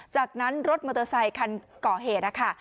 จากนั้นรถมอเตอร์ไซคันก่อเหตุนะคะ